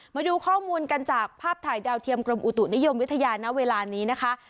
มาดูข้อมูลกันจากภาพถ่ายดาวเทียมกรมอุตุนิยมวิทยาณเวลานี้นะคะ